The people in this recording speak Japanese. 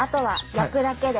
焼くだけで。